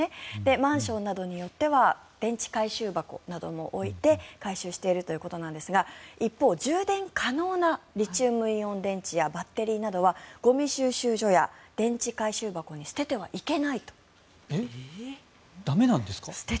マンションなどによっては電池回収箱なども置いて回収しているということなんですが一方、充電可能なリチウムイオン電池やバッテリーなどはゴミ収集所や電池回収箱に捨ててはいけないと。